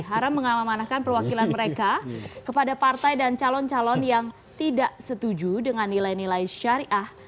haram mengamanahkan perwakilan mereka kepada partai dan calon calon yang tidak setuju dengan nilai nilai syariah